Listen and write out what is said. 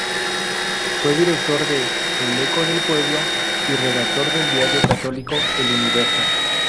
Fue director de "El Eco del Pueblo" y redactor del diario católico "El Universo".